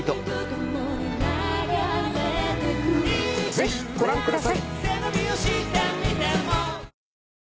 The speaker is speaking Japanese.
ぜひご覧ください。